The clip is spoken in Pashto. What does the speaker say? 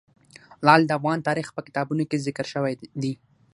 لعل د افغان تاریخ په کتابونو کې ذکر شوی دي.